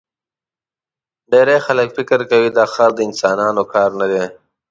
ډېری خلک فکر کوي دا ښار د انسانانو کار نه دی.